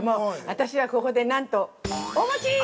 私はここで、なんと、お餅！